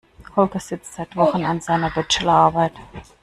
Holger sitzt seit Wochen an seiner Bachelor Arbeit.